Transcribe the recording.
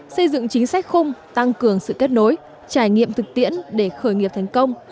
xây dựng chính sách khung tăng cường sự kết nối trải nghiệm thực tiễn để khởi nghiệp thành công